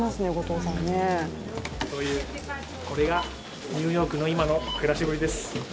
これがニューヨークの今の暮らしぶりです。